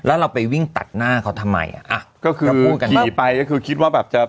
แล้วเราไปวิ่งตัดหน้าเขาทำไมอ่ะก็คือถ้าพูดกันขี่ไปก็คือคิดว่าแบบจะ